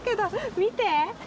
見て！